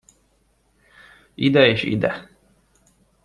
Ide és ide.